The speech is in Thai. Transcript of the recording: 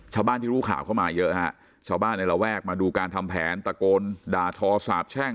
ชาวบ้านรู้ข่าวเขามาเยอะละแวกมาดูการทำแผนตะโกนดาทอซาบแช่ง